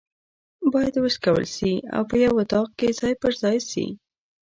بايد وشکول سي او په یو اطاق کي ځای پر ځای سي